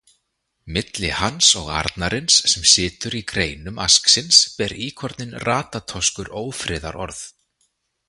Milli hans og arnarins sem situr í greinum asksins ber íkorninn Ratatoskur ófriðarorð.